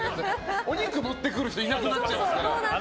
お肉持ってくる人いなくなっちゃうから。